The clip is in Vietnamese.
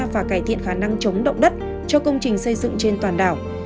và cải thiện khả năng chống động đất cho công trình xây dựng trên toàn đảo